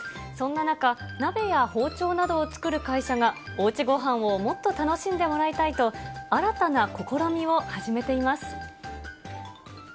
そんな中、鍋や包丁などを作る会社が、おうちごはんをもっと楽しんでもらいたいと、新たな試みを始めています。